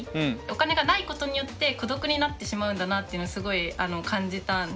お金がないことによって孤独になってしまうんだなっていうのをすごい感じたんですよ。